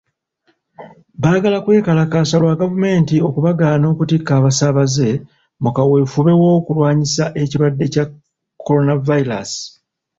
Bagala kwekalakaasa lwa gavumenti okubagaana okutikka abasaabaze mu kaweefube w'okulwanyisa ekirwadde kya coronavirus.